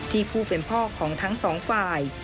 ผู้เป็นพ่อของทั้งสองฝ่าย